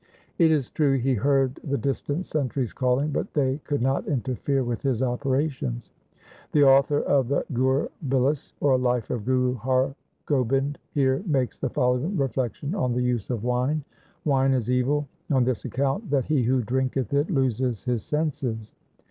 It is true he heard the distant sentries calling, but they could not interfere with his operations. The author of the ' Gur Bilas ', or Life of Guru Har Gobind, here makes the following reflection on the use of wine. ' Wine is evil on this account that he who drinketh it loses his senses.